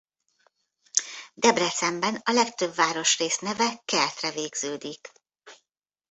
Debrecenben a legtöbb városrész neve kertre végződik.